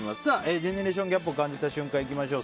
ジェネレーションギャップを感じた瞬間、いきましょう。